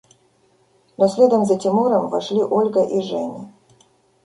Но следом за Тимуром вошли Ольга и Женя.